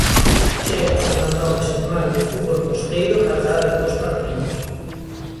Chega unha nova xornada de fútbol costeiro cargada de bos partidos.